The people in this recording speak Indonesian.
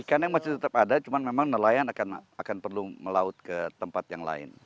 ikan yang masih tetap ada cuma memang nelayan akan perlu melaut ke tempat yang lain